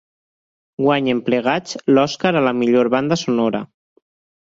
Guanyen plegats l'Oscar a la millor banda sonora.